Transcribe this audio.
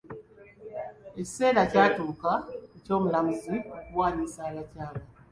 Ekiseera kyatuuka eky'omulamuzi okuwanyisa abakyala.